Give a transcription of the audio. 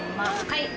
はい。